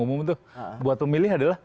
umum tuh buat pemilih adalah